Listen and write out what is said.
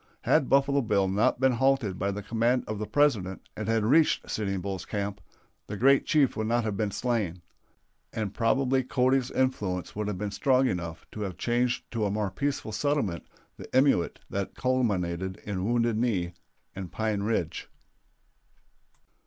Had Buffalo Bill not been halted by the command of the President and had reached Sitting Bull's camp, the great chief would not have been slain; and probably Cody's influence would have been strong enough to have changed to a more peaceful settlement the emeute that culminated in Wounded Knee and Pine Ridge.